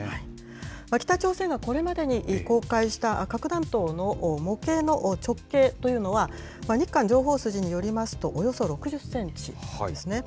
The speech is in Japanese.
北朝鮮がこれまでに公開した核弾頭の模型の直径というのは、日韓情報筋によりますと、およそ６０センチなんですね。